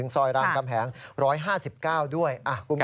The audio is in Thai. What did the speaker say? ซอยรามกำแหง๑๕๙ทับ๑